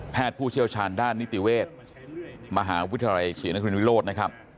ผู้เชี่ยวชาญด้านนิติเวชมหาวิทยาลัยศรีนครินวิโรธนะครับ